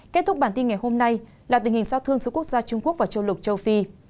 kết thúc bản tin ngày hôm nay là tình hình giao thương giữa quốc gia trung quốc và châu lục châu phi